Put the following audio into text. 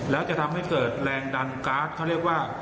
แล้วจะทำให้เกิดแรงดันการ์ดเขาเรียกว่า